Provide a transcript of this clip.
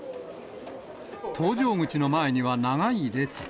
搭乗口の前には長い列。